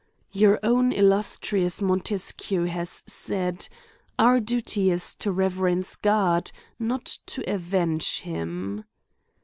Your own illustrious Montesquieu has said, " Our duty is, to reverence God, not to avenge him."